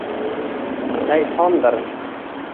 Shaytondir».